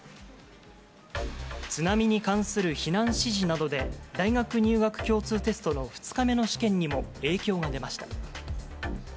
津波に関する避難指示などで、大学入学共通テストの２日目の試験にも影響が出ました。